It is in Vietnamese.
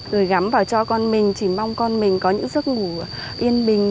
rồi gắm vào cho con mình chỉ mong con mình có những giấc ngủ yên bình